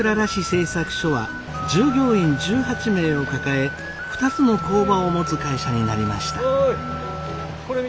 製作所は従業員１８名を抱え２つの工場を持つ会社になりました。